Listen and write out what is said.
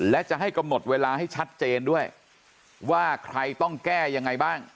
และจะให้กำหนดเวลาให้ชัดเจนด้วยว่าใครต้องแก้ยังไงบ้าง